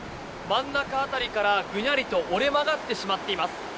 真ん中辺りから、ぐにゃりと折れ曲がってしまっています。